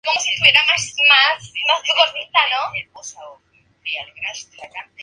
Es una planta herbácea vivaz y perenne con rizoma subterráneo y raíces laterales.